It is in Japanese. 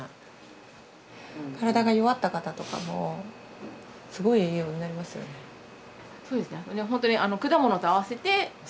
体が弱った方とかもすごい栄養になりますよね。